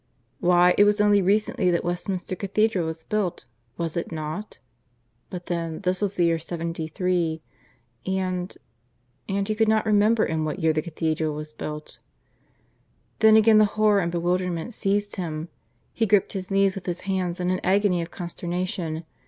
Why, it was only recently that Westminster Cathedral was built was it not? But then this was the year seventy three ... and ... and he could not remember in what year the Cathedral was built. Then again the horror and bewilderment seized him. He gripped his knees with his hands in an agony of consternation.